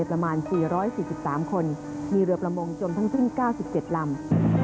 ประมาณ๔๔๓คนมีเรือประมงจมทั้งสิ้น๙๗ลำ